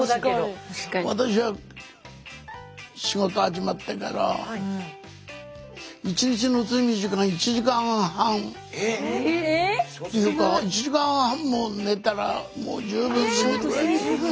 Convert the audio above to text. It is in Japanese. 私は仕事始まってからっていうか１時間半も寝たらもう十分すぎるぐらいで。